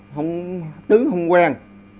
không thứ không quen